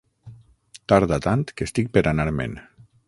Tarda tant que estic per anar-me'n.